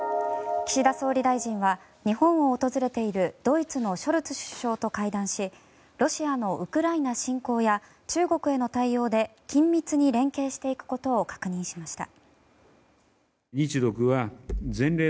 岸田総理大臣は日本を訪れているドイツのショルツ首相と会談しロシアのウクライナ侵攻や中国への対応で緊密に連携していくことを確認しました。